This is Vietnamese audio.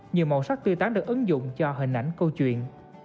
nhiều màu sắc tươi tán được ứng dụng cho hình ảnh câu chuyện